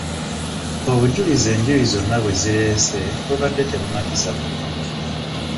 Obujulizi enjuyi zonna bwe zireese bubadde tebumatiza bulungi.